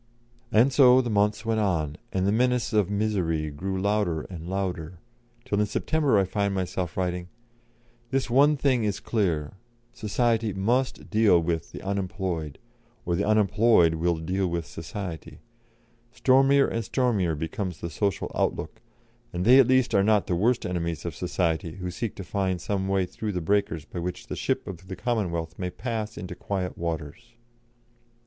And so the months went on, and the menace of misery grew louder and louder, till in September I find myself writing: "This one thing is clear Society must deal with the unemployed, or the unemployed will deal with Society. Stormier and stormier becomes the social outlook, and they at least are not the worst enemies of Society who seek to find some way through the breakers by which the ship of the Commonwealth may pass into quiet waters."